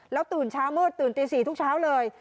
แล้วตื่นเช้าเมื่อตื่นตี๔ทุกเช้าเลย